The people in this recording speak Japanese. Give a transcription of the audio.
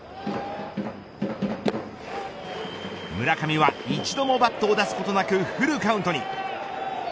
村上は一度もバットを出すことなくフルカウントに。